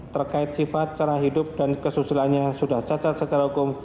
terkait sifat cara hidup dan kesusilaannya sudah cacat secara hukum